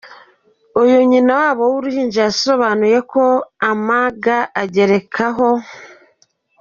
Uyu nyina wabo wuruhinja, yasobanuye ko Ama G agerekaho.